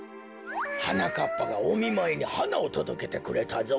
はなかっぱがおみまいにはなをとどけてくれたぞ。